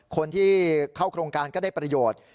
คนที่เข้าโครงการก็ได้ประโยชน์